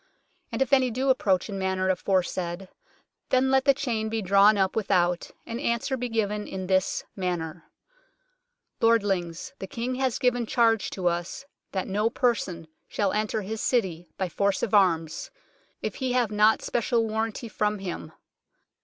And if any do approach in manner aforesaid, then let the chain be drawn up without, and answer be given in this manner :"' Lordlings, the King has given charge to us that no person shall enter his city by force of arms, if he have not special warranty from him.